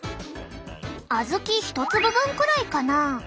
小豆１粒分くらいかな。